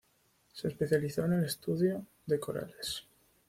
Se especializó en el estudio de corales.